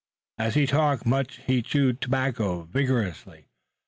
As he talked much he chewed tobacco vigorously.